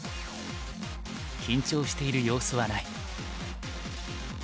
緊張している様子はない。